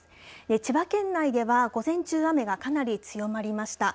千葉県内では午前中雨がかなり強まりました。